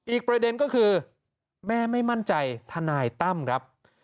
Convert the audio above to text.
อีกประเด็นก็คือแม่ไม่มั่นใจทนายตั้มครับ